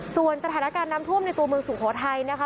ส่วนสถานการณ์น้ำท่วมในตัวเมืองสุโขทัยนะคะ